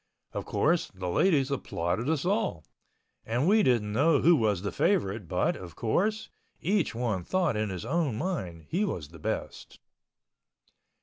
Of course, the ladies applauded us all—and we didn't know who was the favorite but, of course, each one thought in his own mind he was the best.